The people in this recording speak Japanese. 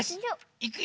いくよ。